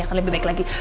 akan lebih baik lagi